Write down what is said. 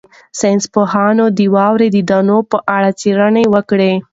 ساینس پوهانو د واورې د دانو په اړه څېړنه وکړه.